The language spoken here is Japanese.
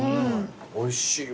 おいしいわ。